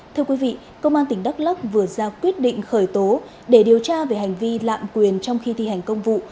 thưa quý vị công an tỉnh đắk lắc vừa ra quyết định khởi tố để điều tra về hành vi lạm quyền trong khi thi hành công vụ